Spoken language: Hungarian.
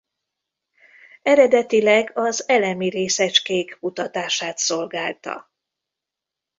Eredetileg az elemi részecskék kutatását szolgálta.